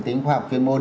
tính khoa học chuyên môn